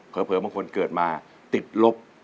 บางคนเกิดมาติดลบ